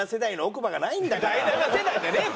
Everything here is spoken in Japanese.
第七世代じゃねえよ